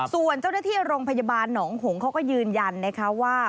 ส่วนเจ้าหน้าที่โรงพยาบาลหนองหงเขาก็ยืนยันนะคะว่า